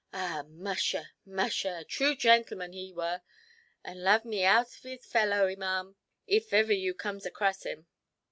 Ah musha, musha, a true gintleman he were, and lave me out his fellow, maʼam, if iver you comes acrass him".